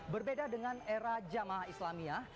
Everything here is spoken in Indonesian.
berbeda dengan era jamaah islamiyah